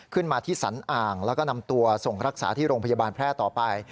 ขึ้นมาที่สันอ่างแล้วก็นำตัวส่งรักษาที่โรงพยาบาลแพร่ต่อไป